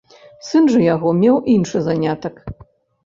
Сын жа яго меў іншы занятак.